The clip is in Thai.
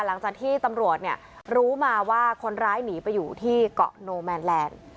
หลังจากที่ตำรวจเนี่ยรู้มาว่าคนร้ายหนีไปอยู่ที่เกาะโนแมนแลนด์